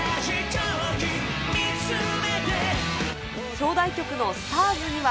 表題曲のＳＴＡＲＳには、